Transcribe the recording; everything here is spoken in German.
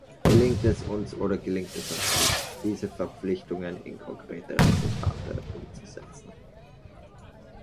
Gelingt es uns oder gelingt es uns nicht, diese Verpflichtungen in konkrete Resultate umzusetzen?